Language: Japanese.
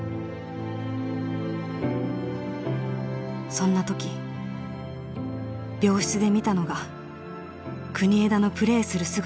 そんな時病室で見たのが国枝のプレーする姿だった。